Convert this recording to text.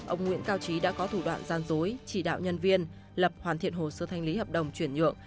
ông nguyễn cao trí đã có thủ đoạn gian dối chỉ đạo nhân viên lập hoàn thiện hồ sơ thanh lý hợp đồng chuyển nhượng